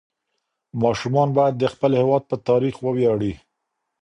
ماشومان باید د خپل هېواد په تاریخ وویاړي.